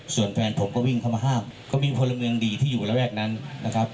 ส่วนแฟนผมก็วิ่งเข้ามาห้ามก็มีพลเมืองดีที่อยู่ระแวกนั้นนะครับ